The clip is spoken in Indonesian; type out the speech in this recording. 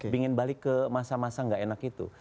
ingin balik ke masa masa gak enak itu